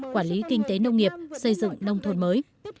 quản lý kinh tế nông nghiệp xây dựng nông thôn mới